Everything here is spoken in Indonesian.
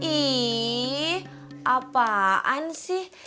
ih apaan sih